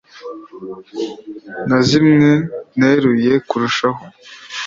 na zimwe neruye kurushaho